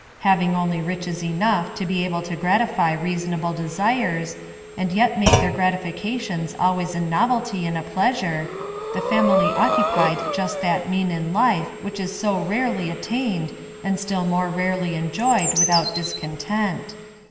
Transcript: Having only riches enough to be able to gratify reasonable desires, and yet make their gratifications always a novelty and a pleasure, the family occupied that just mean in life which is so rarely attained, and still more rarely enjoyed without discontent.